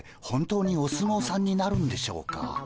本当にお相撲さんになるんでしょうか？